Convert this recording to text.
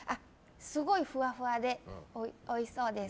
すごいふわふわでおいしそうです。